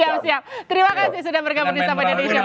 siap siap terima kasih sudah bergabung di sampai deni siamalang